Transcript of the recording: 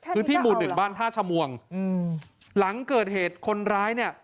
พื้นที่หมู่หนึ่งบ้านท่าชมวงอืมหลังเกิดเหตุคนร้ายเนี่ย